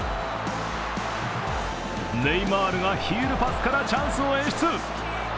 ネイマールがヒールパスからチャンスを演出。